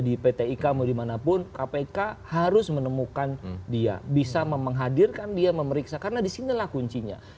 itu kan kritik keras di mana partai melindunginya